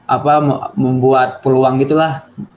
apa membuat peluang gitu lah